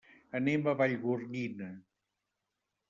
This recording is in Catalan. Anem a Vallgorguina.